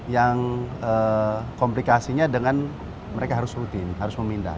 yang komplikasinya dengan mereka harus rutin harus memindah